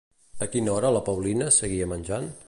A quina hora la Paulina seguia menjant?